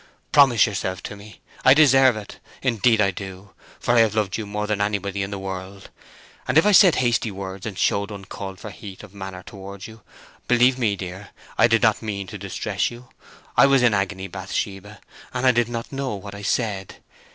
"Promise yourself to me; I deserve it, indeed I do, for I have loved you more than anybody in the world! And if I said hasty words and showed uncalled for heat of manner towards you, believe me, dear, I did not mean to distress you; I was in agony, Bathsheba, and I did not know what I said.